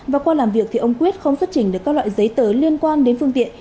và qua làm việc thì ông quyết không xuất trình được các loại giấy tờ liên quan đến phương tiện